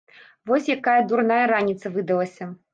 Вось якая дурная раніца выдалася.